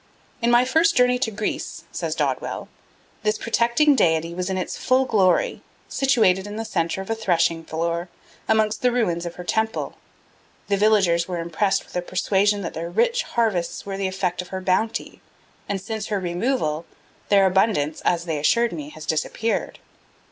"In my first journey to Greece," says Dodwell, "this protecting deity was in its full glory, situated in the centre of a threshing floor, amongst the ruins of her temple. The villagers were impressed with a persuasion that their rich harvests were the effect of her bounty, and since her removal, their abundance, as they assured me, has disappeared."